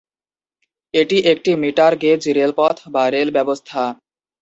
এটি একটি metre gauge রেলপথ বা রেল ব্যবস্থা।